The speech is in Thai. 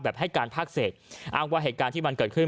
ให้การภาคเศษอ้างว่าเหตุการณ์ที่มันเกิดขึ้น